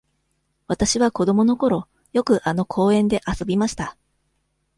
わたしは子どものころ、よくあの公園で遊びました。